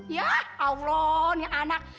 yah awlon ya anak